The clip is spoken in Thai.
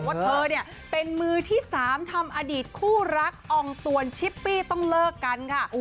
ว่าเธอเนี่ยเป็นมือที่๓ทำอดีตคู่รักอองตวนชิปปี้ต้องเลิกกันค่ะ